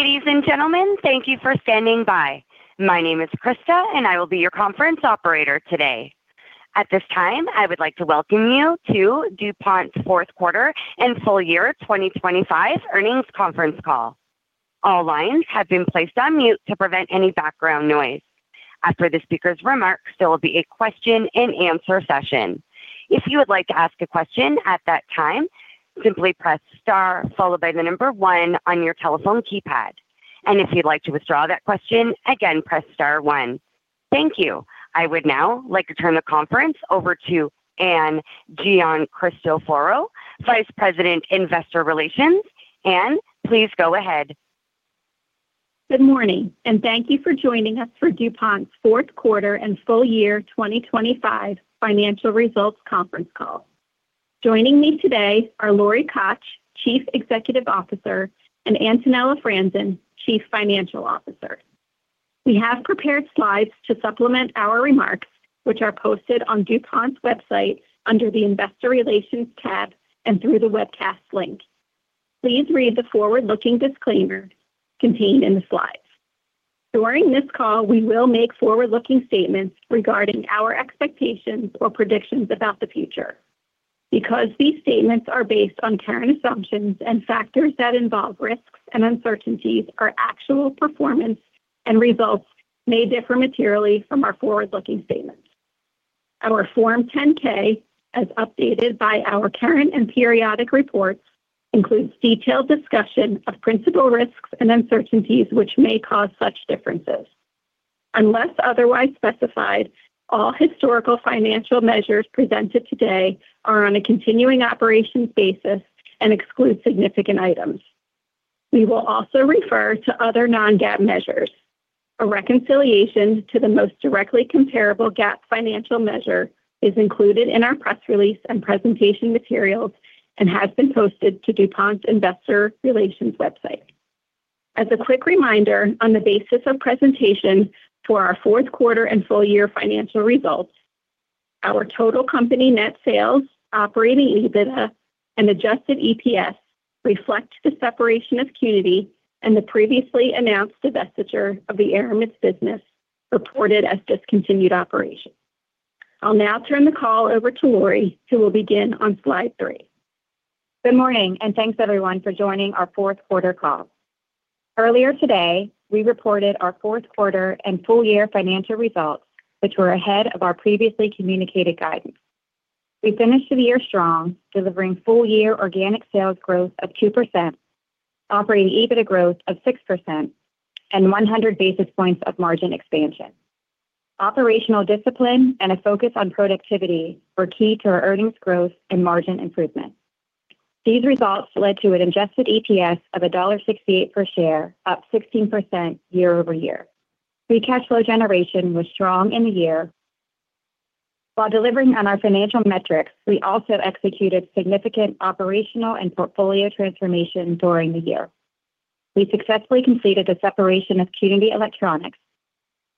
Ladies and gentlemen, thank you for standing by. My name is Krista, and I will be your conference operator today. At this time, I would like to welcome you to DuPont's Fourth Quarter and Full-Year 2025 Earnings Conference Call. All lines have been placed on mute to prevent any background noise. After the speaker's remarks, there will be a question-and-answer session. If you would like to ask a question at that time, simply press star followed by the number 1 on your telephone keypad. And if you'd like to withdraw that question, again, press star one. Thank you. I would now like to turn the conference over to Ann Giancristoforo, Vice President, Investor Relations. Ann, please go ahead. Good morning, and thank you for joining us for DuPont's Fourth Quarter and Full-Year 2025 Financial Results Conference Call. Joining me today are Lori Koch, Chief Executive Officer, and Antonella Franzen, Chief Financial Officer. We have prepared slides to supplement our remarks, which are posted on DuPont's website under the Investor Relations tab and through the webcast link. Please read the forward-looking disclaimer contained in the slides. During this call, we will make forward-looking statements regarding our expectations or predictions about the future. Because these statements are based on current assumptions and factors that involve risks and uncertainties, our actual performance and results may differ materially from our forward-looking statements. Our Form 10-K, as updated by our current and periodic reports, includes detailed discussion of principal risks and uncertainties which may cause such differences. Unless otherwise specified, all historical financial measures presented today are on a continuing operations basis and exclude significant items. We will also refer to other non-GAAP measures. A reconciliation to the most directly comparable GAAP financial measure is included in our press release and presentation materials and has been posted to DuPont's Investor Relations website. As a quick reminder, on the basis of presentation for our fourth quarter and full year financial results, our total company net sales, operating EBITDA, and adjusted EPS reflect the separation of Qnity and the previously announced divestiture of the Aramids business reported as discontinued operations. I'll now turn the call over to Lori, who will begin on Slide three. Good morning, and thanks everyone for joining our fourth quarter call. Earlier today, we reported our fourth quarter and full-year financial results, which were ahead of our previously communicated guidance. We finished the year strong, delivering full year organic sales growth of 2%, operating EBITDA growth of 6%, and 100 basis points of margin expansion. Operational discipline and a focus on productivity were key to our earnings growth and margin improvement. These results led to an adjusted EPS of $1.68 per share, up 16% year-over-year. Free cash flow generation was strong in the year. While delivering on our financial metrics, we also executed significant operational and portfolio transformation during the year. We successfully completed the separation of Qnity Electronics,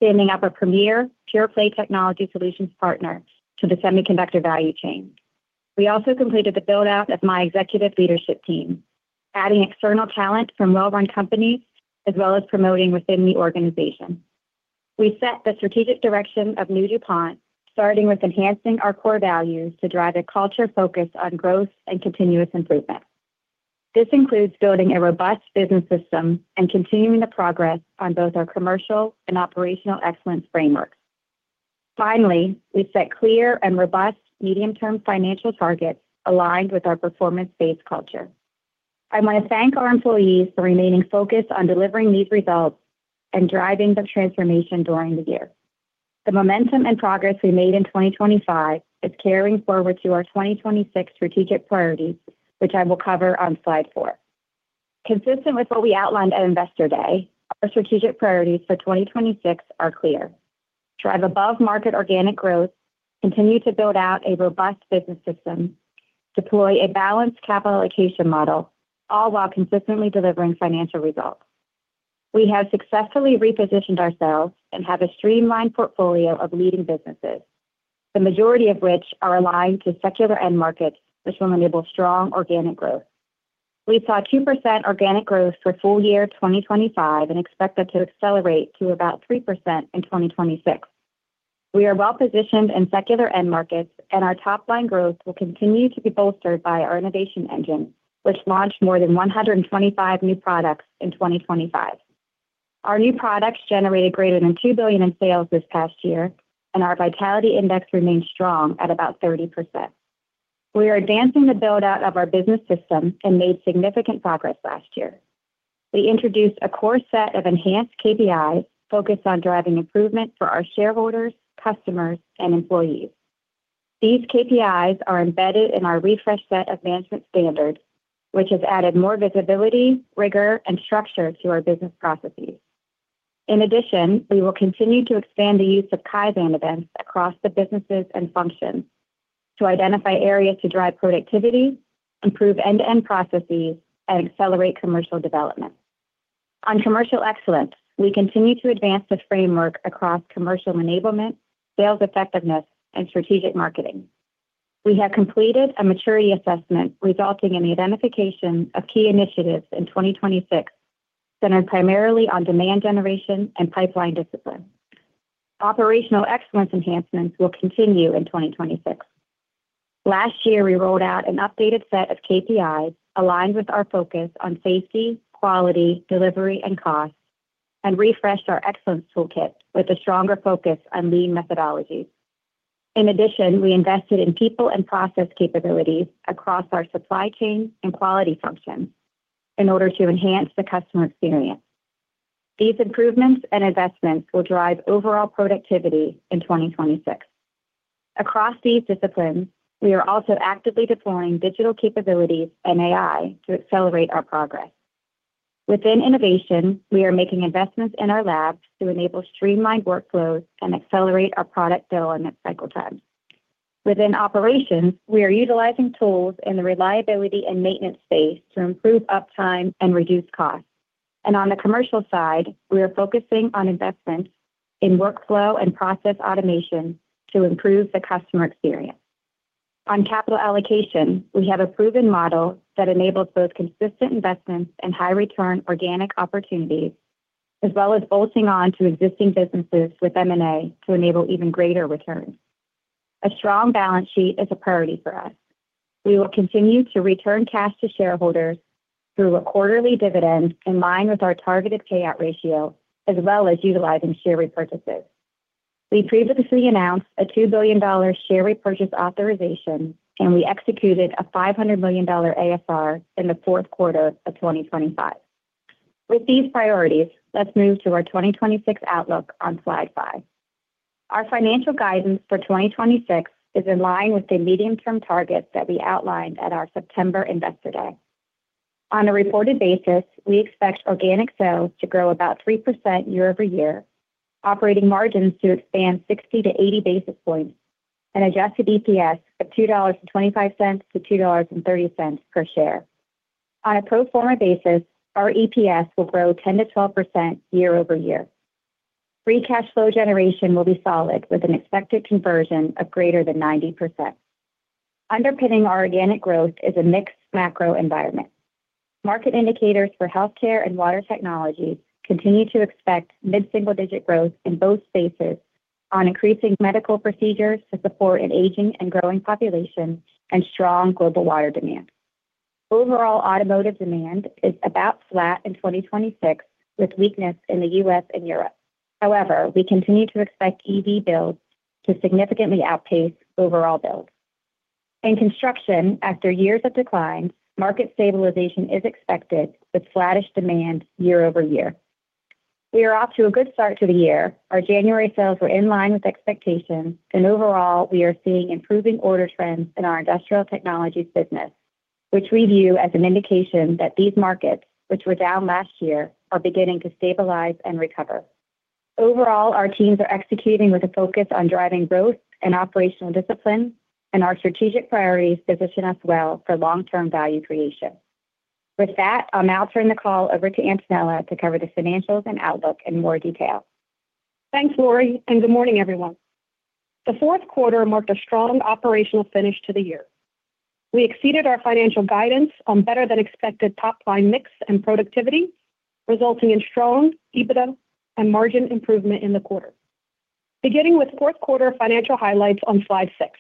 standing up a premier pure-play technology solutions partner to the semiconductor value chain. We also completed the build-out of my executive leadership team, adding external talent from well-run companies as well as promoting within the organization. We set the strategic direction of new DuPont, starting with enhancing our core values to drive a culture focused on growth and continuous improvement. This includes building a robust business system and continuing the progress on both our commercial and operational excellence frameworks. Finally, we set clear and robust medium-term financial targets aligned with our performance-based culture. I want to thank our employees for remaining focused on delivering these results and driving the transformation during the year. The momentum and progress we made in 2025 is carrying forward to our 2026 strategic priorities, which I will cover on Slide four. Consistent with what we outlined at Investor Day, our strategic priorities for 2026 are clear: drive above-market organic growth, continue to build out a robust business system, deploy a balanced capital allocation model, all while consistently delivering financial results. We have successfully repositioned ourselves and have a streamlined portfolio of leading businesses, the majority of which are aligned to secular end markets, which will enable strong organic growth. We saw 2% organic growth for full year 2025 and expect that to accelerate to about 3% in 2026. We are well-positioned in secular end markets, and our top-line growth will continue to be bolstered by our innovation engine, which launched more than 125 new products in 2025. Our new products generated greater than $2 billion in sales this past year, and our Vitality Index remained strong at about 30%. We are advancing the build-out of our business system and made significant progress last year. We introduced a core set of enhanced KPIs focused on driving improvement for our shareholders, customers, and employees. These KPIs are embedded in our refreshed set of management standards, which has added more visibility, rigor, and structure to our business processes. In addition, we will continue to expand the use of Kaizen events across the businesses and functions to identify areas to drive productivity, improve end-to-end processes, and accelerate commercial development. On commercial excellence, we continue to advance the framework across commercial enablement, sales effectiveness, and strategic marketing. We have completed a maturity assessment resulting in the identification of key initiatives in 2026 centered primarily on demand generation and pipeline discipline. Operational excellence enhancements will continue in 2026. Last year, we rolled out an updated set of KPIs aligned with our focus on safety, quality, delivery, and cost, and refreshed our excellence toolkit with a stronger focus on lean methodologies. In addition, we invested in people and process capabilities across our supply chain and quality functions in order to enhance the customer experience. These improvements and investments will drive overall productivity in 2026. Across these disciplines, we are also actively deploying digital capabilities and AI to accelerate our progress. Within innovation, we are making investments in our labs to enable streamlined workflows and accelerate our product development cycle times. Within operations, we are utilizing tools in the reliability and maintenance space to improve uptime and reduce costs. And on the commercial side, we are focusing on investments in workflow and process automation to improve the customer experience. On capital allocation, we have a proven model that enables both consistent investments and high-return organic opportunities, as well as bolting on to existing businesses with M&A to enable even greater returns. A strong balance sheet is a priority for us. We will continue to return cash to shareholders through a quarterly dividend in line with our targeted payout ratio, as well as utilizing share repurchases. We previously announced a $2 billion share repurchase authorization, and we executed a $500 million ASR in the fourth quarter of 2025. With these priorities, let's move to our 2026 outlook on slide 5. Our financial guidance for 2026 is in line with the medium-term targets that we outlined at our September Investor Day. On a reported basis, we expect organic sales to grow about 3% year-over-year, operating margins to expand 60-80 basis points, and adjusted EPS of $2.25-$2.30 per share. On a pro forma basis, our EPS will grow 10%-12% year-over-year. Free cash flow generation will be solid with an expected conversion of greater than 90%. Underpinning our organic growth is a mixed macro environment. Market indicators for Healthcare and Water technologies continue to expect mid-single-digit growth in both spaces on increasing medical procedures to support an aging and growing population and strong global Water demand. Overall automotive demand is about flat in 2026 with weakness in the U.S. and Europe. However, we continue to expect EV builds to significantly outpace overall builds. In construction, after years of declines, market stabilization is expected with flatish demand year-over-year. We are off to a good start to the year. Our January sales were in line with expectations, and overall, we are seeing improving order trends in our Industrial Technologies business, which we view as an indication that these markets, which were down last year, are beginning to stabilize and recover. Overall, our teams are executing with a focus on driving growth and operational discipline, and our strategic priorities position us well for long-term value creation. With that, I'll now turn the call over to Antonella to cover the financials and outlook in more detail. Thanks, Lori, and good morning, everyone. The fourth quarter marked a strong operational finish to the year. We exceeded our financial guidance on better-than-expected top-line mix and productivity, resulting in strong EBITDA and margin improvement in the quarter. Beginning with fourth quarter financial highlights on slide 6.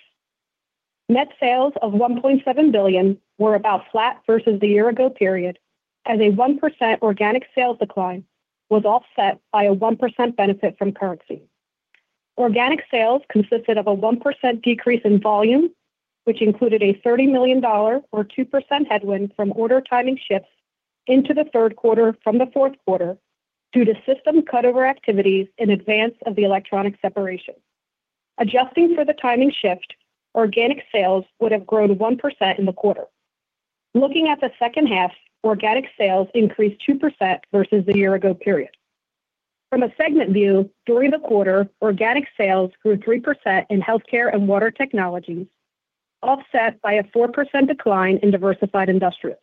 Net sales of $1.7 billion were about flat versus the year-ago period, as a 1% organic sales decline was offset by a 1% benefit from currency. Organic sales consisted of a 1% decrease in volume, which included a $30 million or 2% headwind from order timing shifts into the third quarter from the fourth quarter due to system cutover activities in advance of the electronic separation. Adjusting for the timing shift, organic sales would have grown 1% in the quarter. Looking at the second half, organic sales increased 2% versus the year-ago period. From a segment view, during the quarter, organic sales grew 3% in healthcare and Water technologies, offset by a 4% decline in Diversified Industrials.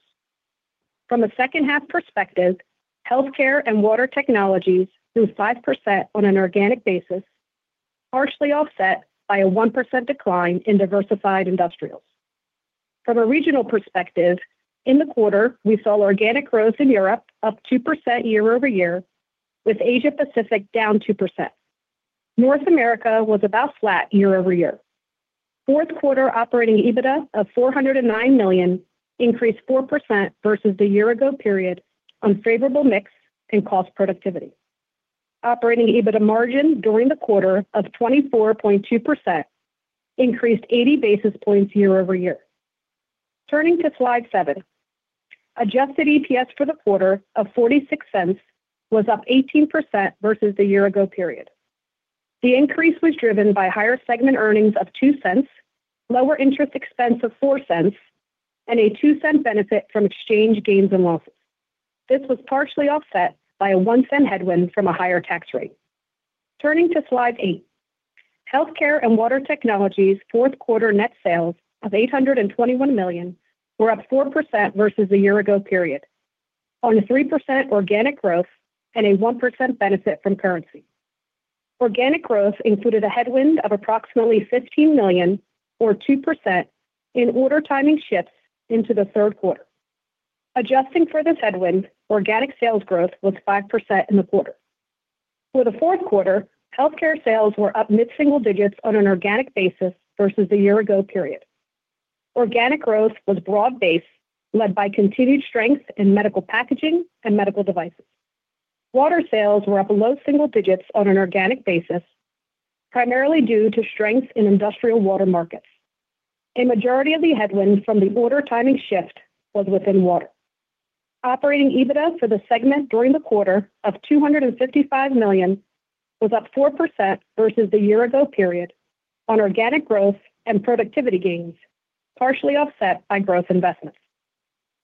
From a second-half perspective, healthcare and Water technologies grew 5% on an organic basis, partially offset by a 1% decline in Diversified Industrials. From a regional perspective, in the quarter, we saw organic growth in Europe up 2% year-over-year, with Asia-Pacific down 2%. North America was about flat year-over-year. Fourth quarter operating EBITDA of $409 million increased 4% versus the year-ago period on favorable mix and cost productivity. Operating EBITDA margin during the quarter of 24.2% increased 80 basis points year-over-year. Turning to Slide seven. Adjusted EPS for the quarter of $0.46 was up 18% versus the year-ago period. The increase was driven by higher segment earnings of $0.02, lower interest expense of $0.04, and a $0.02 benefit from exchange gains and losses. This was partially offset by a $0.01 headwind from a higher tax rate. Turning to Slide eight. Healthcare and Water technologies fourth quarter net sales of $821 million were up 4% versus the year-ago period on a 3% organic growth and a 1% benefit from currency. Organic growth included a headwind of approximately $15 million or 2% in order timing shifts into the third quarter. Adjusting for this headwind, organic sales growth was 5% in the quarter. For the fourth quarter, healthcare sales were up mid-single digits on an organic basis versus the year-ago period. Organic growth was broad-based, led by continued strength in medical packaging and medical devices. Water sales were up low single digits on an organic basis, primarily due to strength in industrial Water markets. A majority of the headwind from the order timing shift was within Water. Operating EBITDA for the segment during the quarter of $255 million was up 4% versus the year-ago period on organic growth and productivity gains, partially offset by growth investments.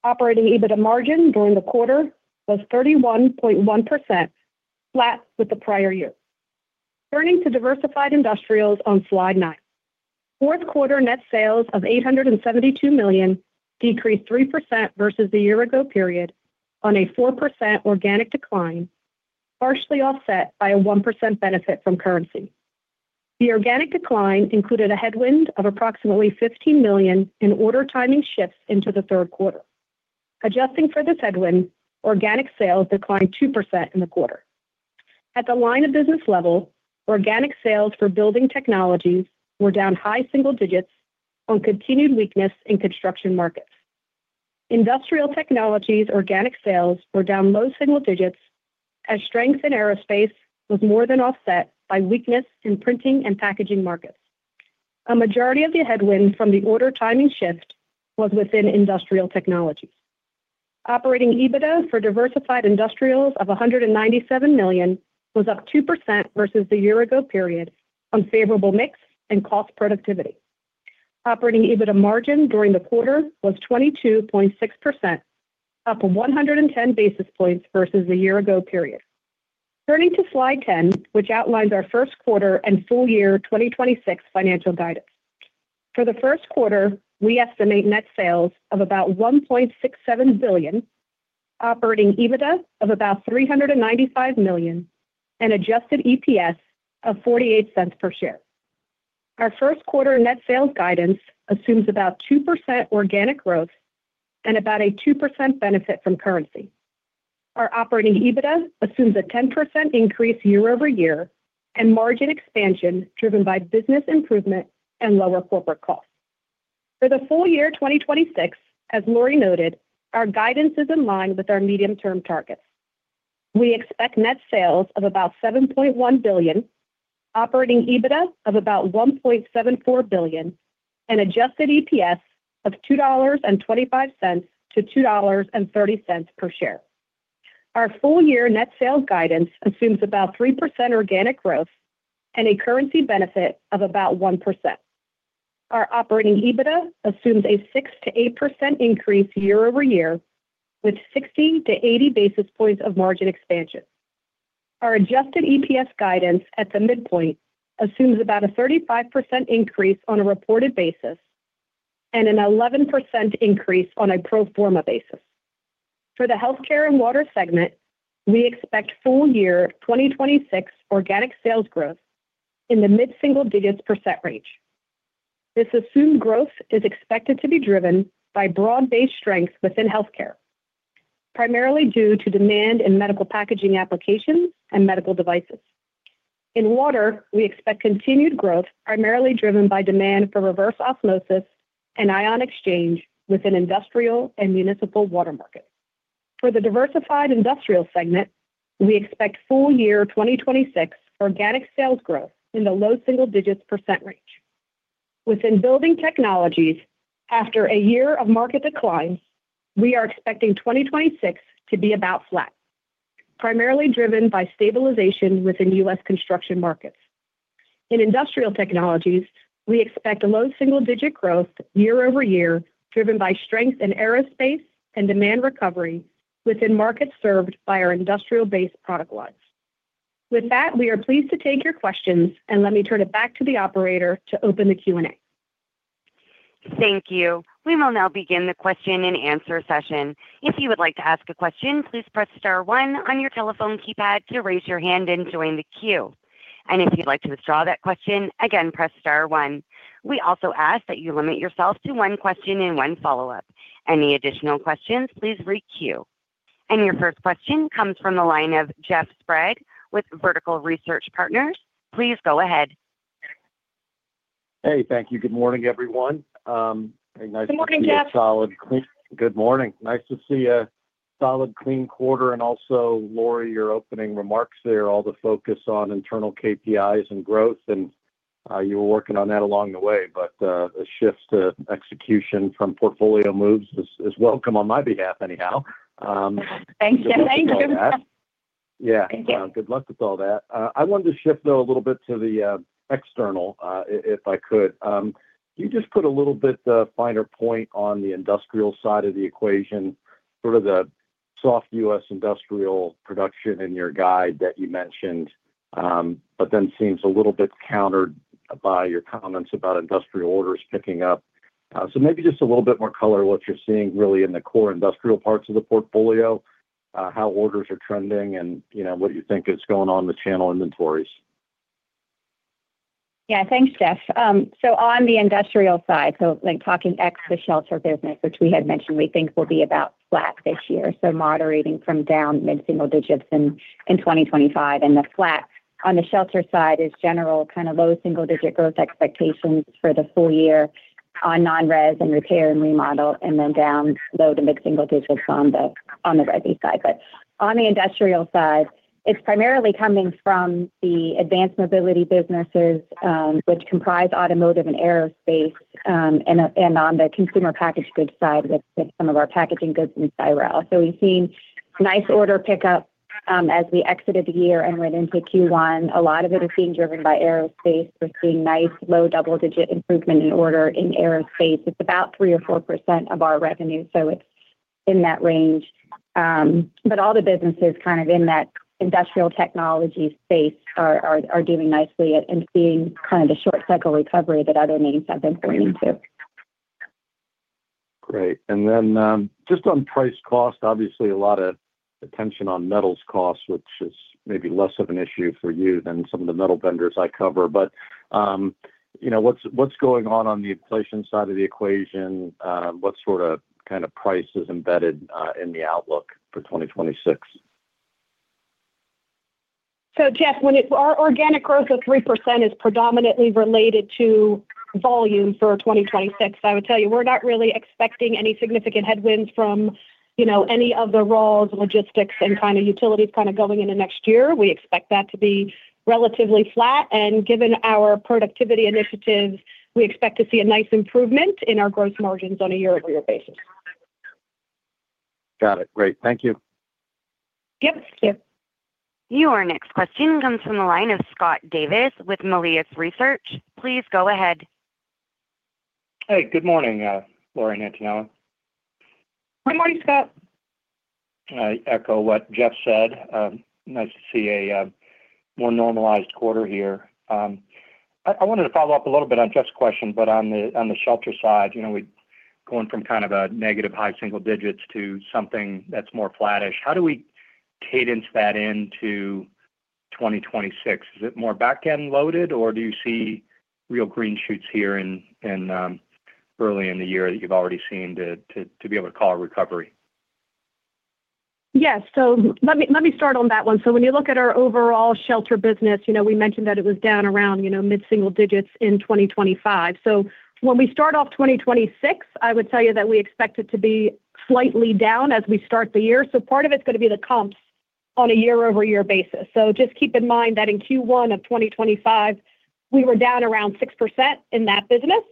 Operating EBITDA margin during the quarter was 31.1%, flat with the prior year. Turning to Diversified Industrials on slide 9. Fourth quarter net sales of $872 million decreased 3% versus the year-ago period on a 4% organic decline, partially offset by a 1% benefit from currency. The organic decline included a headwind of approximately $15 million in order timing shifts into the third quarter. Adjusting for this headwind, organic sales declined 2% in the quarter. At the line of business level, organic sales for Building Technologies were down high single digits on continued weakness in construction markets. Industrial Technologies organic sales were down low single digits as strength in aerospace was more than offset by weakness in printing and packaging markets. A majority of the headwind from the order timing shift was within Industrial Technologies. Operating EBITDA for Diversified Industrials of $197 million was up 2% versus the year-ago period on favorable mix and cost productivity. Operating EBITDA margin during the quarter was 22.6%, up 110 basis points versus the year-ago period. Turning to slide 10, which outlines our first quarter and full year 2026 financial guidance. For the first quarter, we estimate net sales of about $1.67 billion, operating EBITDA of about $395 million, and adjusted EPS of $0.48 per share. Our first quarter net sales guidance assumes about 2% organic growth and about a 2% benefit from currency. Our operating EBITDA assumes a 10% increase year-over-year and margin expansion driven by business improvement and lower corporate costs. For the full year 2026, as Lori noted, our guidance is in line with our medium-term targets. We expect net sales of about $7.1 billion, operating EBITDA of about $1.74 billion, and adjusted EPS of $2.25-$2.30 per share. Our full year net sales guidance assumes about 3% organic growth and a currency benefit of about 1%. Our operating EBITDA assumes a 6%-8% increase year-over-year with 60 to 80 basis points of margin expansion. Our adjusted EPS guidance at the midpoint assumes about a 35% increase on a reported basis and an 11% increase on a pro forma basis. For the Healthcare and Water segment, we expect full year 2026 organic sales growth in the mid-single-digits percent range. This assumed growth is expected to be driven by broad-based strength within healthcare, primarily due to demand in medical packaging applications and medical devices. In Water, we expect continued growth primarily driven by demand for reverse osmosis and ion exchange within industrial and municipal Water markets. For the diversified Industrial segment, we expect full year 2026 organic sales growth in the low single-digits percent range. Within building technologies, after a year of market declines, we are expecting 2026 to be about flat, primarily driven by stabilization within U.S. construction markets. In Industrial Technologies, we expect a low single-digit growth year-over-year driven by strength in aerospace and demand recovery within markets served by our industrial-based product lines. With that, we are pleased to take your questions, and let me turn it back to the operator to open the Q&A. Thank you. We will now begin the question-and-answer session. If you would like to ask a question, please press star one on your telephone keypad to raise your hand and join the queue. If you'd like to withdraw that question, again, press star one. We also ask that you limit yourself to one question and one follow-up. Any additional questions, please requeue. Your first question comes from the line of Jeff Sprague with Vertical Research Partners. Please go ahead. Hey, thank you. Good morning, everyone. Hey, nice to see you. Good morning, Jeff. Good morning. Nice to see a solid, clean quarter. Also, Lori, your opening remarks there, all the focus on internal KPIs and growth. You were working on that along the way, but the shift to execution from portfolio moves is welcome on my behalf, anyhow. Thank you. Thank you. Yeah. Good luck with all that. I wanted to shift, though, a little bit to the external, if I could. Can you just put a little bit finer point on the industrial side of the equation, sort of the soft U.S. industrial production in your guide that you mentioned, but then seems a little bit countered by your comments about industrial orders picking up? So maybe just a little bit more color, what you're seeing really in the core industrial parts of the portfolio, how orders are trending, and what you think is going on with channel inventories? Yeah, thanks, Jeff. So on the Industrial side, so talking ex the Shelter business, which we had mentioned, we think will be about flat this year, so moderating from down mid-single digits in 2025 and the flat. On the Shelter side is general kind of low single digit growth expectations for the full year on non-Res and repair and remodel, and then down low to mid-single digits on the resi side. But on the Industrial side, it's primarily coming from the Advanced Mobility businesses, which comprise automotive and aerospace, and on the consumer packaged goods side with some of our packaging goods in Cyrel. So we've seen nice order pickup as we exited the year and went into Q1. A lot of it is being driven by aerospace. We're seeing nice low double-digit improvement in order in aerospace. It's about 3%-4% of our revenue, so it's in that range. But all the businesses kind of in that industrial technology space are doing nicely and seeing kind of the short cycle recovery that other names have been pointing to. Great. Then just on price-cost, obviously, a lot of attention on metals costs, which is maybe less of an issue for you than some of the metal vendors I cover. But what's going on on the inflation side of the equation? What sort of kind of price is embedded in the outlook for 2026? So, Jeff, when it's our organic growth of 3% is predominantly related to volume for 2026, I would tell you we're not really expecting any significant headwinds from any of the roles, logistics, and kind of utilities kind of going into next year. We expect that to be relatively flat. And given our productivity initiatives, we expect to see a nice improvement in our gross margins on a year-over-year basis. Got it. Great. Thank you. Yep. Thank you. Your next question comes from the line of Scott Davis with Melius Research. Please go ahead. Hey, good morning, Lori and Antonella. Good morning, Scott. Echo what Jeff said. Nice to see a more normalized quarter here. I wanted to follow up a little bit on Jeff's question, but on the Shelter side, going from kind of a negative high single digits to something that's more flat-ish, how do we cadence that into 2026? Is it more backend-loaded, or do you see real green shoots here early in the year that you've already seen to be able to call a recovery? Yes. So let me start on that one. So when you look at our overall Shelter business, we mentioned that it was down around mid-single digits in 2025. So when we start off 2026, I would tell you that we expect it to be slightly down as we start the year. So part of it's going to be the comps on a year-over-year basis. So just keep in mind that in Q1 of 2025, we were down around 6% in that business.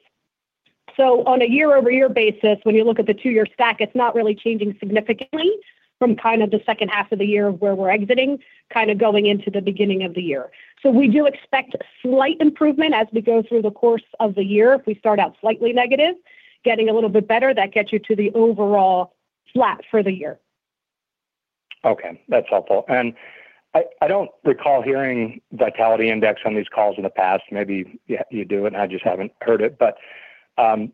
So on a year-over-year basis, when you look at the two-year stack, it's not really changing significantly from kind of the second half of the year of where we're exiting, kind of going into the beginning of the year. So we do expect slight improvement as we go through the course of the year. If we start out slightly negative, getting a little bit better, that gets you to the overall flat for the year. Okay. That's helpful and I don't recall hearing Vitality Index on these calls in the past. Maybe you do, and I just haven't heard it. But 30%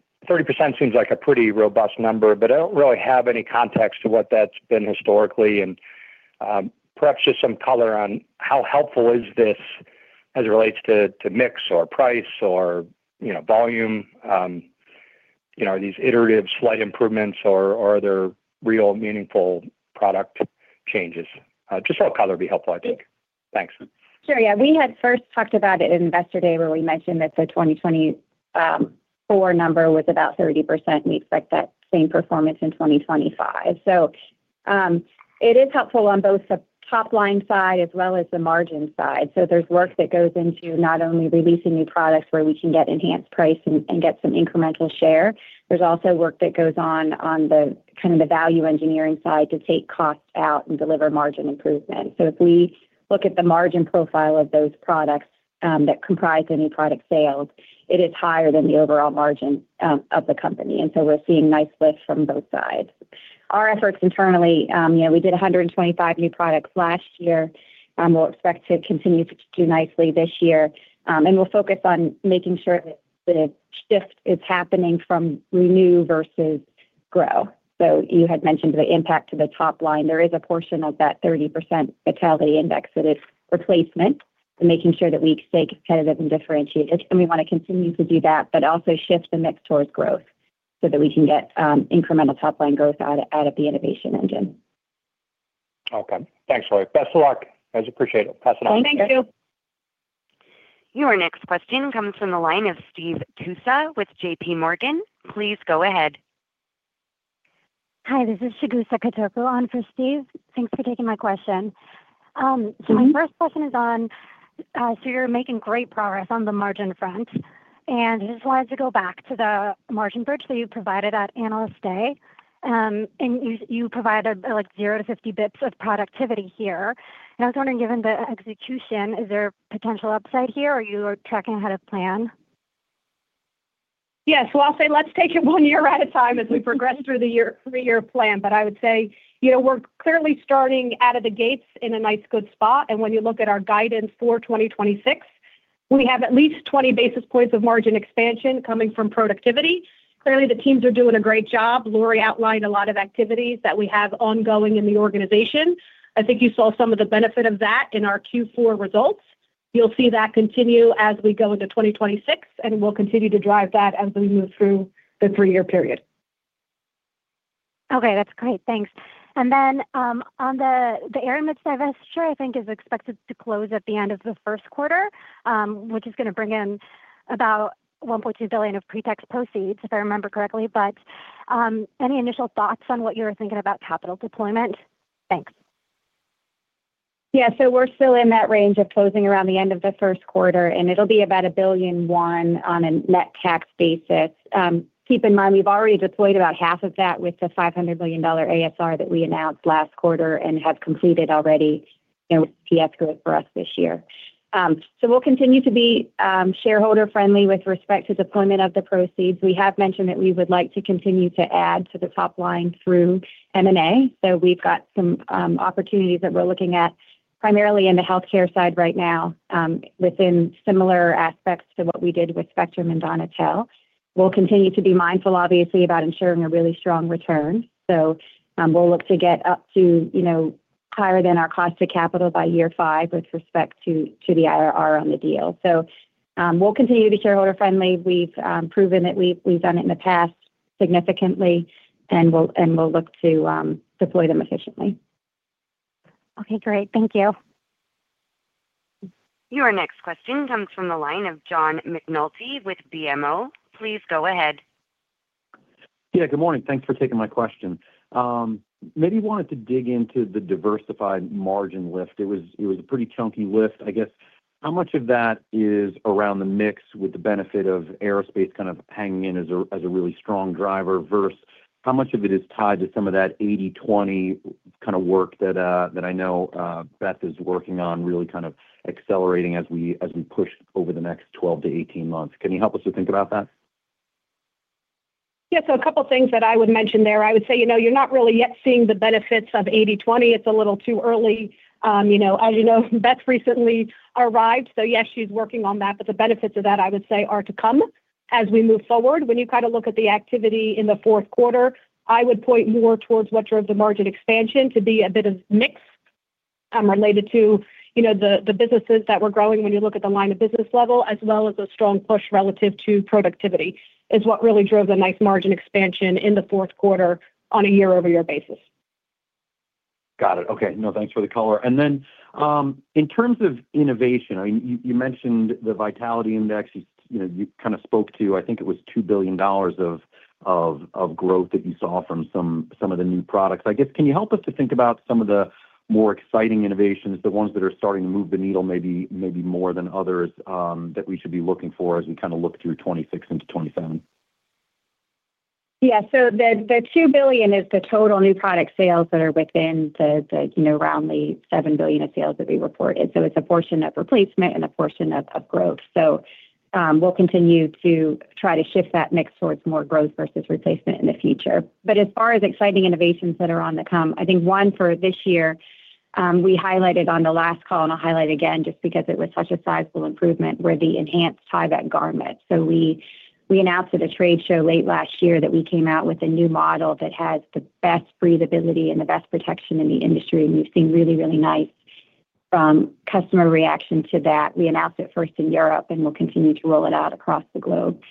seems like a pretty robust number, but I don't really have any context to what that's been historically. And perhaps just some color on how helpful is this as it relates to mix or price or volume? Are these iterative slight improvements, or are there real meaningful product changes? Just some color would be helpful, I think. Thanks. Sure. Yeah. We had first talked about it in yesterday where we mentioned that the 2024 number was about 30%. We expect that same performance in 2025. So it is helpful on both the top-line side as well as the margin side. So there's work that goes into not only releasing new products where we can get enhanced price and get some incremental share, there's also work that goes on kind of the value engineering side to take cost out and deliver margin improvement. So if we look at the margin profile of those products that comprise the new product sales, it is higher than the overall margin of the company. And so we're seeing nice lift from both sides. Our efforts internally, we did 125 new products last year. We'll expect to continue to do nicely this year. We'll focus on making sure that the shift is happening from renew versus grow. You had mentioned the impact to the top line. There is a portion of that 30% Vitality Index that is replacement and making sure that we stay competitive and differentiated. We want to continue to do that, but also shift the mix towards growth so that we can get incremental top-line growth out of the innovation engine. Okay. Thanks, Lori. Best of luck. I just appreciate it. Pass it on to Ken. Hey, thank you. Your next question comes from the line of Steve Tusa with JPMorgan. Please go ahead. Hi. This is Chigusa Katoku on for Steve Tusa. Thanks for taking my question. So my first question is on, so you're making great progress on the margin front and I just wanted to go back to the margin bridge that you provided at Analyst Day. You provided 0-50 basis points of productivity here. And I was wondering, given the execution, is there potential upside here, or are you tracking ahead of plan? Yes. Well, I'll say let's take it one year at a time as we progress through the three-year plan. But I would say we're clearly starting out of the gates in a nice good spot. And when you look at our guidance for 2026, we have at least 20 basis points of margin expansion coming from productivity. Clearly, the teams are doing a great job. Lori outlined a lot of activities that we have ongoing in the organization. I think you saw some of the benefit of that in our Q4 results. You'll see that continue as we go into 2026, and we'll continue to drive that as we move through the three-year period. Okay. That's great. Thanks. Then on the Aramids divestiture, I think, is expected to close at the end of the first quarter, which is going to bring in about $1.2 billion of pre-tax proceeds, if I remember correctly. But any initial thoughts on what you were thinking about capital deployment? Thanks. Yeah. So we're still in that range of closing around the end of the first quarter, and it'll be about $1 billion on an after-tax basis. Keep in mind, we've already deployed about half of that with the $500 million ASR that we announced last quarter and have completed already with EPS growth for us this year. So we'll continue to be shareholder-friendly with respect to deployment of the proceeds. We have mentioned that we would like to continue to add to the top line through M&A. So we've got some opportunities that we're looking at primarily in the healthcare side right now within similar aspects to what we did with Spectrum and Donatelle. We'll continue to be mindful, obviously, about ensuring a really strong return. So we'll look to get up to higher than our cost of capital by year five with respect to the IRR on the deal. So we'll continue to be shareholder-friendly. We've proven that we've done it in the past significantly, and we'll look to deploy them efficiently. Okay. Great. Thank you. Your next question comes from the line of John McNulty with BMO. Please go ahead. Yeah. Good morning. Thanks for taking my question. Maybe you wanted to dig into the diversified margin lift. It was a pretty chunky lift. I guess, how much of that is around the mix with the benefit of aerospace kind of hanging in as a really strong driver versus how much of it is tied to some of that 80/20 kind of work that I know Beth is working on really kind of accelerating as we push over the next 12-18 months? Can you help us to think about that? Yeah. So a couple of things that I would mention there. I would say you're not really yet seeing the benefits of 80/20. It's a little too early. As you know, Beth recently arrived, so yes, she's working on that. But the benefits of that, I would say, are to come as we move forward. When you kind of look at the activity in the fourth quarter, I would point more towards what drove the margin expansion to be a bit of mix related to the businesses that were growing when you look at the line of business level, as well as a strong push relative to productivity is what really drove the nice margin expansion in the fourth quarter on a year-over-year basis. Got it. Okay. No, thanks for the color and then in terms of innovation, I mean, you mentioned the Vitality Index. You kind of spoke to, I think it was $2 billion of growth that you saw from some of the new products. I guess, can you help us to think about some of the more exciting innovations, the ones that are starting to move the needle maybe more than others that we should be looking for as we kind of look through 2026 into 2027? Yeah. So the $2 billion is the total new product sales that are within the roundly $7 billion of sales that we reported. So it's a portion of replacement and a portion of growth. So we'll continue to try to shift that mix towards more growth versus replacement in the future. But as far as exciting innovations that are on the come, I think, one, for this year, we highlighted on the last call, and I'll highlight again just because it was such a sizable improvement, were the enhanced Tyvek garments. So we announced at a trade show late last year that we came out with a new model that has the best breathability and the best protection in the industry and we've seen really, really nice customer reaction to that. We announced it first in Europe, and we'll continue to roll it out across the globe.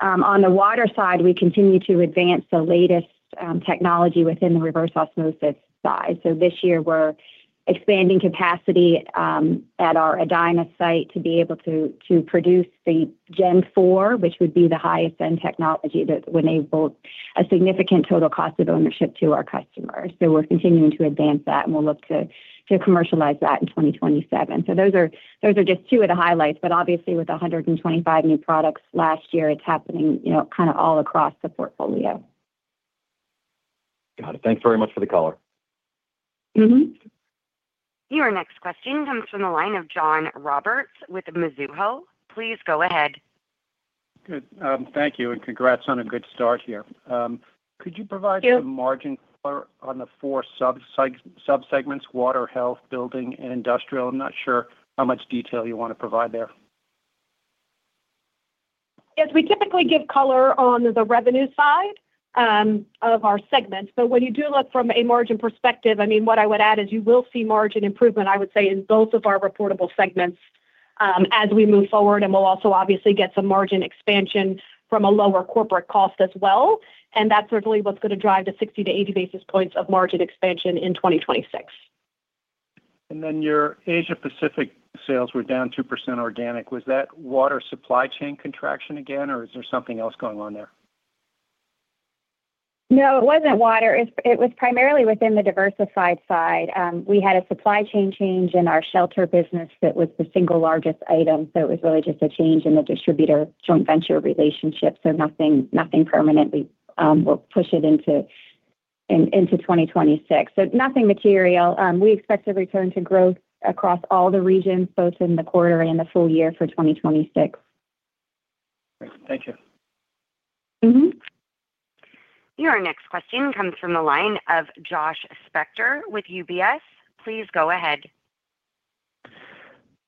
On the Water side, we continue to advance the latest technology within the reverse osmosis side. So this year, we're expanding capacity at our Edina site to be able to produce the Gen 4, which would be the highest-end technology that would enable a significant total cost of ownership to our customers. So we're continuing to advance that, and we'll look to commercialize that in 2027. So those are just two of the highlights. But obviously, with 125 new products last year, it's happening kind of all across the portfolio. Got it. Thanks very much for the color. Your next question comes from the line of John Roberts with Mizuho. Please go ahead. Good. Thank you and congrats on a good start here. Could you provide some margin color on the four subsegments: Water, Health, Building, and Industrial? I'm not sure how much detail you want to provide there. Yes. We typically give color on the revenue side of our segments. But when you do look from a margin perspective, I mean, what I would add is you will see margin improvement, I would say, in both of our reportable segments as we move forward. And we'll also, obviously, get some margin expansion from a lower corporate cost as well. And that's certainly what's going to drive the 60-80 basis points of margin expansion in 2026. Your Asia-Pacific sales were down 2% organic. Was that Water supply chain contraction again, or is there something else going on there? No, it wasn't Water. It was primarily within the diversified side. We had a supply chain change in our Shelter business that was the single largest item. So it was really just a change in the distributor joint venture relationship. So nothing permanently will push it into 2026. So nothing material. We expect a return to growth across all the regions, both in the quarter and the full year for 2026. Great. Thank you. Your next question comes from the line of Josh Spector with UBS. Please go ahead.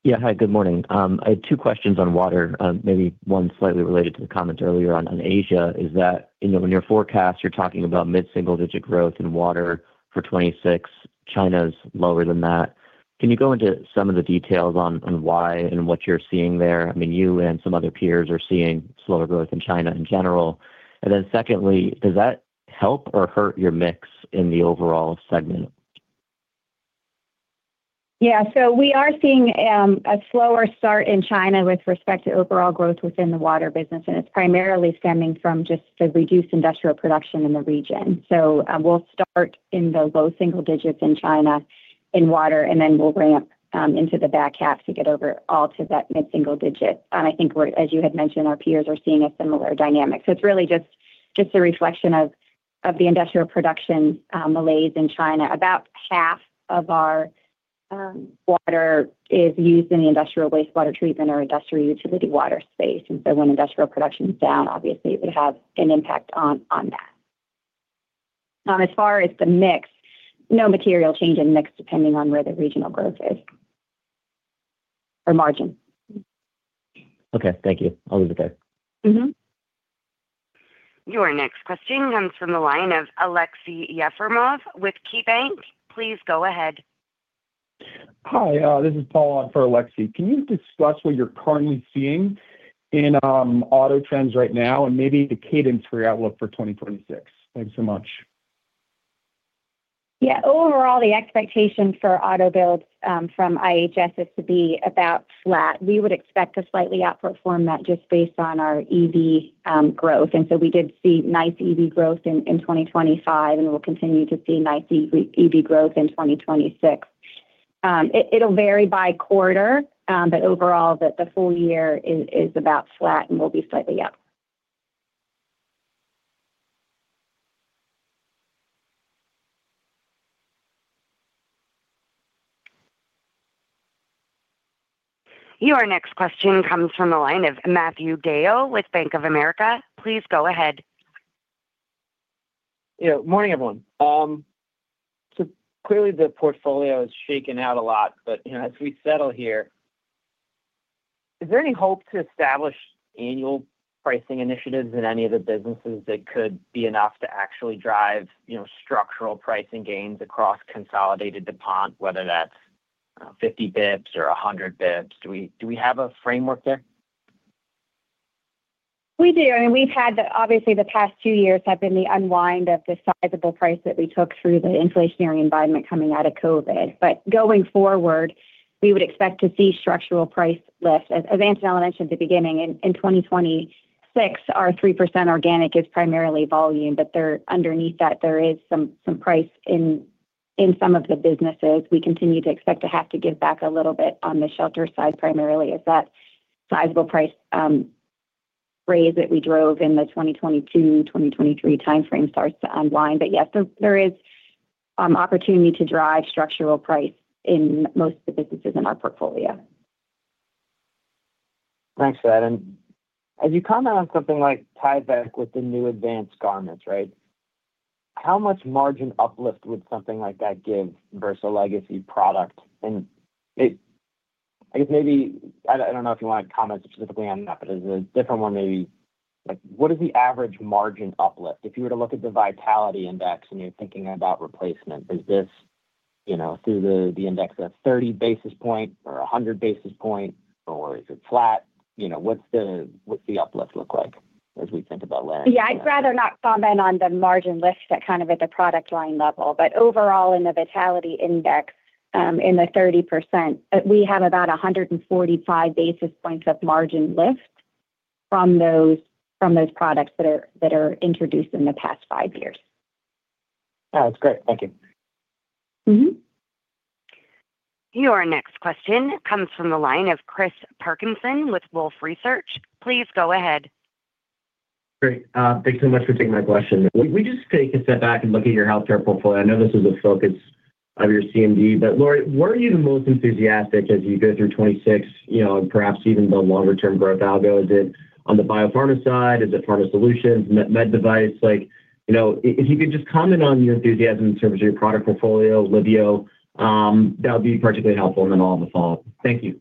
Yeah. Hi. Good morning. I had two questions on Water, maybe one slightly related to the comment earlier on Asia. Is that when you're forecasting, you're talking about mid-single-digit growth in Water for 2026. China's lower than that. Can you go into some of the details on why and what you're seeing there? I mean, you and some other peers are seeing slower growth in China in general. And then secondly, does that help or hurt your mix in the overall segment? Yeah. So we are seeing a slower start in China with respect to overall growth within the Water business. And it's primarily stemming from just the reduced industrial production in the region. So we'll start in the low single digits in China in Water, and then we'll ramp into the back half to get overall to that mid-single digit. And I think, as you had mentioned, our peers are seeing a similar dynamic. So it's really just a reflection of the industrial production malaise in China. About half of our Water is used in the industrial wasteWater treatment or industrial utility water space. And so when industrial production is down, obviously, it would have an impact on that. As far as the mix, no material change in mix depending on where the regional growth is or margin. Okay. Thank you. I'll leave it there. Your next question comes from the line of Aleksey Yefremov with KeyBanc Capital Markets. Please go ahead. Hi. This is Paul on for Aleksey. Can you discuss what you're currently seeing in auto trends right now and maybe the cadence for your outlook for 2026? Thanks so much. Yeah. Overall, the expectation for auto builds from IHS is to be about flat. We would expect a slightly outperform that just based on our EV growth. And so we did see nice EV growth in 2025, and we'll continue to see nice EV growth in 2026. It'll vary by quarter, but overall, the full year is about flat and will be slightly up. Your next question comes from the line of Matthew DeYoe with Bank of America. Please go ahead. Morning, everyone. Clearly, the portfolio is shaken out a lot. But as we settle here, is there any hope to establish annual pricing initiatives in any of the businesses that could be enough to actually drive structural pricing gains across consolidated DuPont, whether that's 50 basis points or 100 basis points? Do we have a framework there? We do. I mean, obviously, the past two years have been the unwind of the sizable price that we took through the inflationary environment coming out of COVID. But going forward, we would expect to see structural price lift. As Antonella mentioned at the beginning, in 2026, our 3% organic is primarily volume. But underneath that, there is some price in some of the businesses. We continue to expect to have to give back a little bit on the Shelter side primarily as that sizable price raise that we drove in the 2022-2023 timeframe starts to unwind. But yes, there is opportunity to drive structural price in most of the businesses in our portfolio. Thanks for that. As you comment on something like Tyvek with the new advanced garments, right, how much margin uplift would something like that give versus a legacy product? I guess maybe I don't know if you want to comment specifically on that, but as a different one, maybe what is the average margin uplift? If you were to look at the Vitality Index and you're thinking about replacement, is this through the index of 30 basis points or 100 basis points, or is it flat? What's the uplift look like as we think about layering? Yeah. I'd rather not comment on the margin lift at kind of at the product line level. But overall, in the Vitality Index in the 30%, we have about 145 basis points of margin lift from those products that are introduced in the past five years. That's great. Thank you. Your next question comes from the line of Chris Parkinson with Wolfe Research. Please go ahead. Great. Thanks so much for taking my question. We just take a step back and look at your healthcare portfolio. I know this is a focus of your CMD. But Lori, where are you the most enthusiastic as you go through 2026 and perhaps even the longer-term growth algo? Is it on the biopharma side? Is it pharma solutions, med device? If you could just comment on your enthusiasm in terms of your product portfolio, Lori, that would be particularly helpful. And then I'll have a follow-up. Thank you.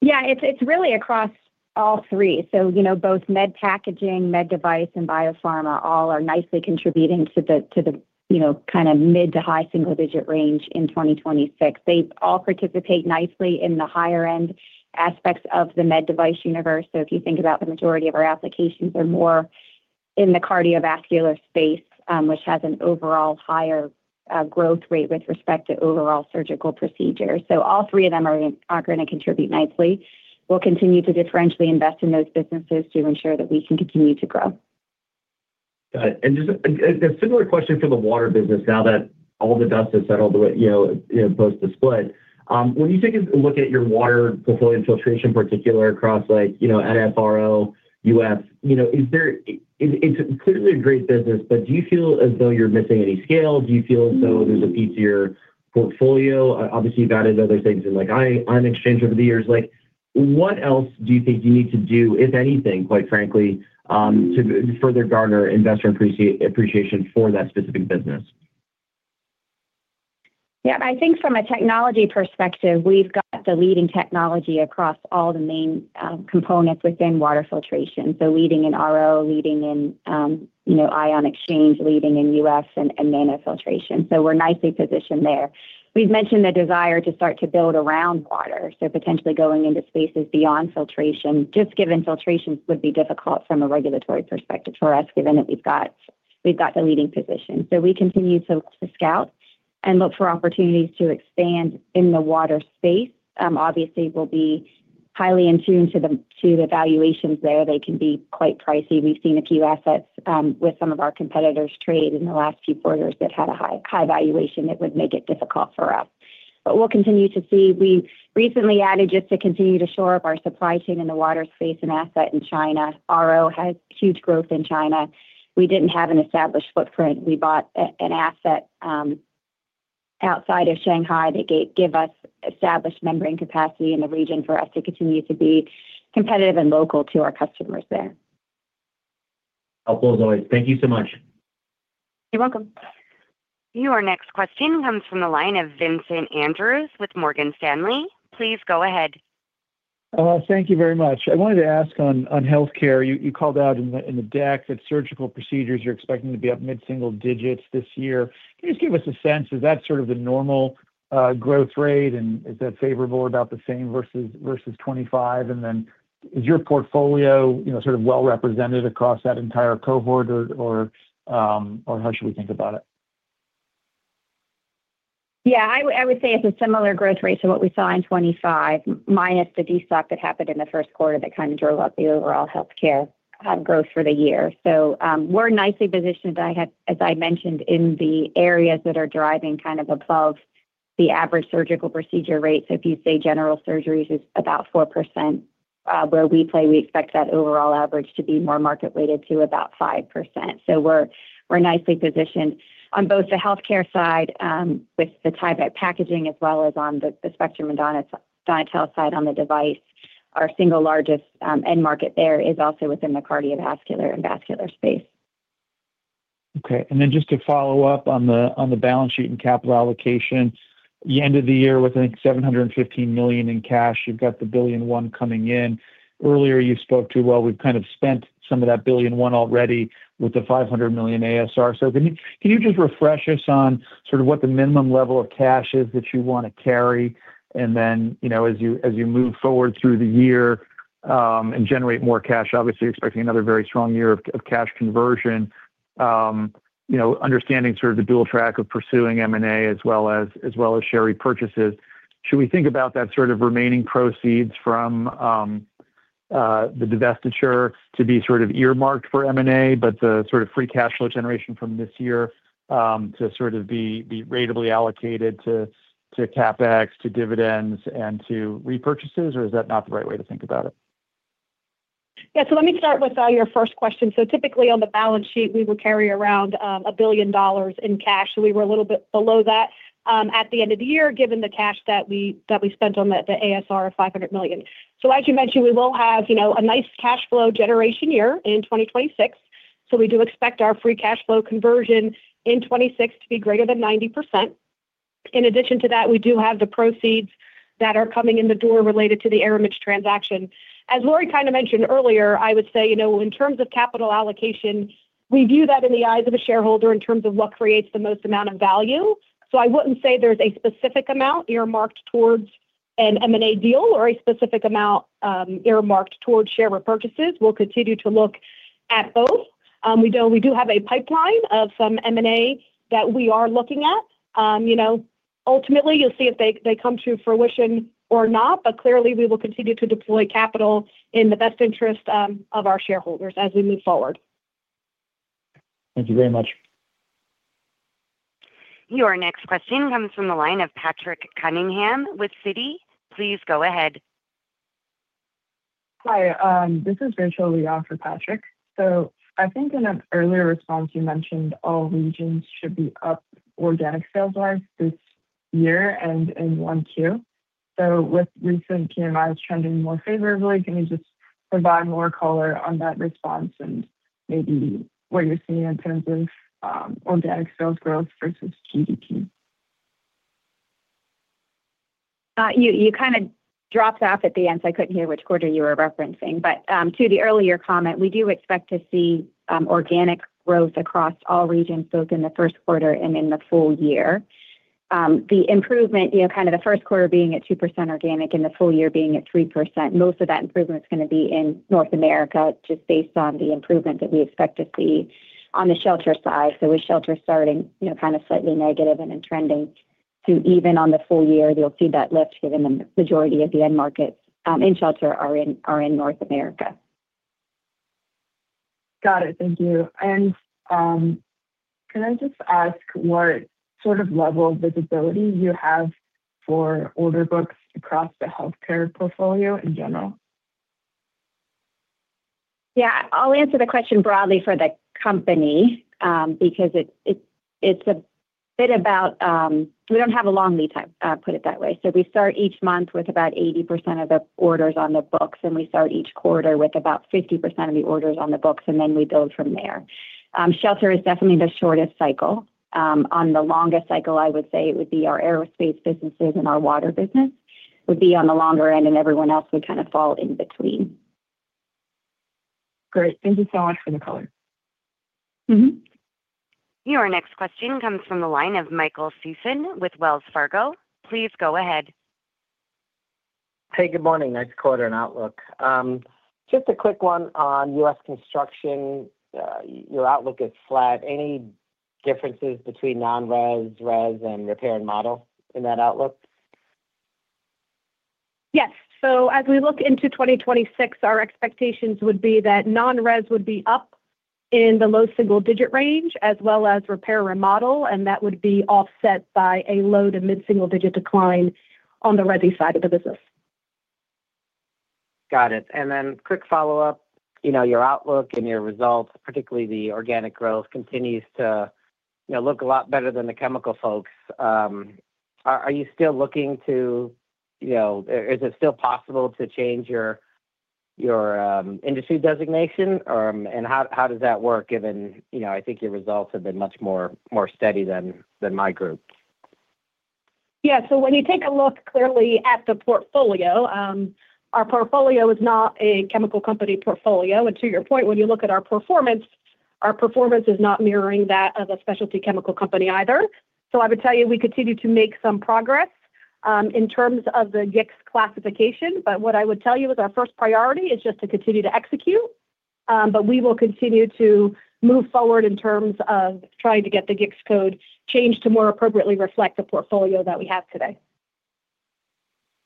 Yeah. It's really across all three. So both med packaging, med device, and biopharma all are nicely contributing to the kind of mid to high single-digit range in 2026. They all participate nicely in the higher-end aspects of the med device universe. So if you think about the majority of our applications, they're more in the cardiovascular space, which has an overall higher growth rate with respect to overall surgical procedures. So all three of them are going to contribute nicely. We'll continue to differentially invest in those businesses to ensure that we can continue to grow. Got it. And just a similar question for the Water business now that all the dust is settled post the split. When you take a look at your Water portfolio, filtration, in particular, across NF, RO, UF, it's clearly a great business, but do you feel as though you're missing any scale? Do you feel as though there's a piece of your portfolio? Obviously, you've added other things in on ion exchange over the years. What else do you think you need to do, if anything, quite frankly, to further garner investor appreciation for that specific business? Yeah. I think from a technology perspective, we've got the leading technology across all the main components within water filtration, so leading in RO, leading in ion exchange, leading in UF, and nanofiltration. So we're nicely positioned there. We've mentioned the desire to start to build around Water, so potentially going into spaces beyond filtration, just given filtration would be difficult from a regulatory perspective for us, given that we've got the leading position. So we continue to scout and look for opportunities to expand in the water space. Obviously, we'll be highly in tune to the valuations there. They can be quite pricey. We've seen a few assets with some of our competitors trade in the last few quarters that had a high valuation that would make it difficult for us. But we'll continue to see. We recently added just to continue to shore up our supply chain in the water space, an asset in China. RO has huge growth in China. We didn't have an established footprint. We bought an asset outside of Shanghai that gave us established membrane capacity in the region for us to continue to be competitive and local to our customers there. Helpful as always. Thank you so much. You're welcome. Your next question comes from the line of Vincent Andrews with Morgan Stanley. Please go ahead. Thank you very much. I wanted to ask on healthcare. You called out in the deck that surgical procedures are expecting to be up mid-single digits this year. Can you just give us a sense? Is that sort of the normal growth rate, and is that favorable, about the same versus 2025? And then is your portfolio sort of well-represented across that entire cohort, or how should we think about it? Yeah. I would say it's a similar growth rate to what we saw in 2025 minus the de-stock that happened in the first quarter that kind of drove up the overall healthcare growth for the year. So we're nicely positioned, as I mentioned, in the areas that are driving kind of above the average surgical procedure rate. So if you say general surgeries, it's about 4%. Where we play, we expect that overall average to be more market-weighted to about 5%. So we're nicely positioned on both the healthcare side with the Tyvek packaging as well as on the Spectrum and Donatelle side on the device. Our single largest end market there is also within the cardiovascular and vascular space. Okay. And then just to follow up on the balance sheet and capital allocation, the end of the year with, I think, $715 million in cash, you've got the $1 billion coming in. Earlier, you spoke to, "Well, we've kind of spent some of that $1 billion already with the $500 million ASR." So can you just refresh us on sort of what the minimum level of cash is that you want to carry? And then as you move forward through the year and generate more cash, obviously, expecting another very strong year of cash conversion, understanding sort of the dual track of pursuing M&A as well as share repurchases, should we think about that sort of remaining proceeds from the divestiture to be sort of earmarked for M&A but the sort of free cash flow generation from this year to sort of be ratably allocated to CapEx, to dividends, and to repurchases? Or is that not the right way to think about it? Yeah. So let me start with your first question. So typically, on the balance sheet, we would carry around $1 billion in cash. So we were a little bit below that at the end of the year given the cash that we spent on the ASR of $500 million. So as you mentioned, we will have a nice cash flow generation year in 2026. So we do expect our free cash flow conversion in 2026 to be greater than 90%. In addition to that, we do have the proceeds that are coming in the door related to the Aramids transaction. As Lori kind of mentioned earlier, I would say in terms of capital allocation, we view that in the eyes of a shareholder in terms of what creates the most amount of value. So I wouldn't say there's a specific amount earmarked towards an M&A deal or a specific amount earmarked towards share repurchases. We'll continue to look at both. We do have a pipeline of some M&A that we are looking at. Ultimately, you'll see if they come to fruition or not. But clearly, we will continue to deploy capital in the best interest of our shareholders as we move forward. Thank you very much. Your next question comes from the line of Patrick Cunningham with Citi. Please go ahead. Hi. This is Rachel Leoff for Patrick. So I think in an earlier response, you mentioned all regions should be up organic sales-wise this year and in 1Q. So with recent PMIs trending more favorably, can you just provide more color on that response and maybe what you're seeing in terms of organic sales growth versus GDP? You kind of dropped off at the end, so I couldn't hear which quarter you were referencing. But to the earlier comment, we do expect to see organic growth across all regions both in the first quarter and in the full year. The improvement, kind of the first quarter being at 2% organic and the full year being at 3%, most of that improvement is going to be in North America just based on the improvement that we expect to see on the Shelter side. So with Shelter starting kind of slightly negative and then trending to even on the full year, you'll see that lift given the majority of the end markets in Shelter are in North America. Got it. Thank you. Can I just ask what sort of level of visibility you have for order books across the healthcare portfolio in general? Yeah. I'll answer the question broadly for the company because it's a bit about we don't have a long lead time, put it that way. So we start each month with about 80% of the orders on the books, and we start each quarter with about 50% of the orders on the books, and then we build from there. Shelter is definitely the shortest cycle. On the longest cycle, I would say it would be our Aerospace businesses and our Water business would be on the longer end, and everyone else would kind of fall in between. Great. Thank you so much for the color. Your next question comes from the line of Michael Sison with Wells Fargo. Please go ahead. Hey. Good morning. Nice quarter and outlook. Just a quick one on U.S. construction. Your outlook is flat. Any differences between non-Res, Res, and repair and remodel in that outlook? Yes. So as we look into 2026, our expectations would be that non-res would be up in the low single-digit range as well as repair and remodel, and that would be offset by a low to mid-single-digit decline on the resi side of the business. Got it. Quick follow-up. Your outlook and your results, particularly the organic growth, continues to look a lot better than the chemical folks. Are you still looking to? Is it still possible to change your industry designation, and how does that work, given I think your results have been much more steady than my group? Yeah. So when you take a look clearly at the portfolio, our portfolio is not a chemical company portfolio. And to your point, when you look at our performance, our performance is not mirroring that of a specialty chemical company either. So I would tell you we continue to make some progress in terms of the GICS classification. But what I would tell you is our first priority is just to continue to execute. But we will continue to move forward in terms of trying to get the GICS code changed to more appropriately reflect the portfolio that we have today.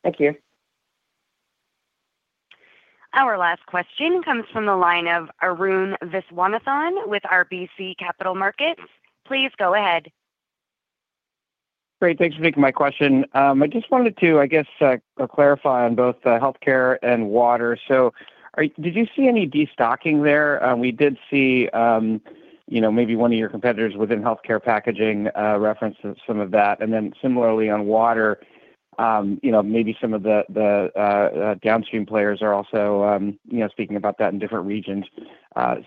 Thank you. Our last question comes from the line of Arun Viswanathan with RBC Capital Markets. Please go ahead. Great. Thanks for taking my question. I just wanted to, I guess, clarify on both Healthcare and Water. So did you see any de-stocking there? We did see maybe one of your competitors within healthcare packaging reference some of that. And then similarly, on Water, maybe some of the downstream players are also speaking about that in different regions.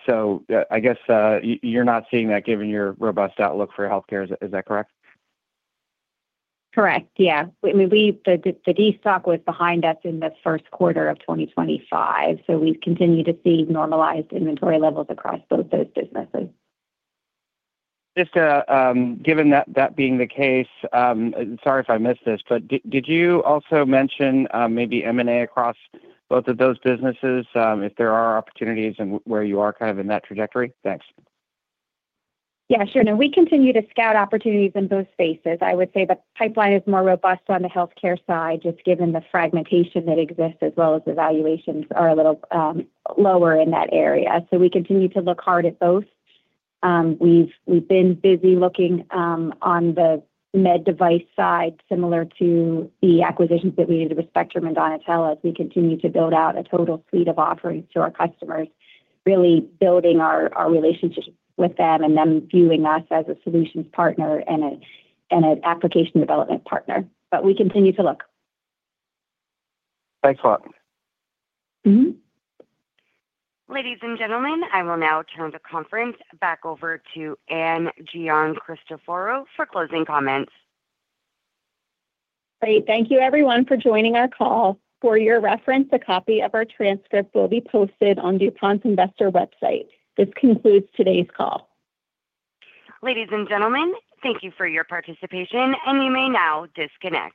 So I guess you're not seeing that given your robust outlook for Healthcare. Is that correct? Correct. Yeah. I mean, the de-stock was behind us in the first quarter of 2025. So we continue to see normalized inventory levels across both those businesses. Just given that being the case, sorry if I missed this, but did you also mention maybe M&A across both of those businesses if there are opportunities and where you are kind of in that trajectory? Thanks. Yeah. Sure. No. We continue to scout opportunities in both spaces. I would say the pipeline is more robust on the healthcare side just given the fragmentation that exists as well as the valuations are a little lower in that area. So we continue to look hard at both. We've been busy looking on the med device side similar to the acquisitions that we did with Spectrum and Donatelle as we continue to build out a total suite of offerings to our customers, really building our relationship with them and them viewing us as a solutions partner and an application development partner. But we continue to look. Thanks a lot. Ladies and gentlemen, I will now turn the conference back over to Ann Giancristoforo for closing comments. Great. Thank you, everyone, for joining our call. For your reference, a copy of our transcript will be posted on DuPont's investor website. This concludes today's call. Ladies and gentlemen, thank you for your participation, and you may now disconnect.